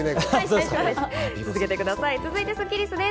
続いてスッキりすです。